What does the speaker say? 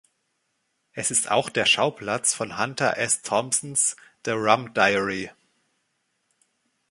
Es ist auch der Schauplatz von Hunter S. Thompsons „The Rum Diary“.